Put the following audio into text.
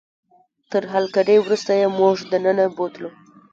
تر هرکلي وروسته یې موږ دننه بوتلو.